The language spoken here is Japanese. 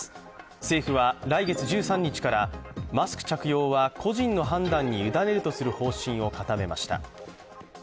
政府は来月１３日からマスク着用は個人の判断に委ねるとする方針を固めました。